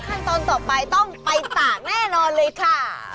ขั้นตอนต่อไปต้องไปตากแน่นอนเลยค่ะ